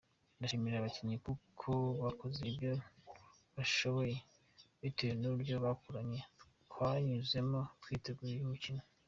Ndashimira abakinyi kuko bakoze ibyo bashoboye bitewe nuburyo bugoranye twanyuzemo twitegura uyu mukino.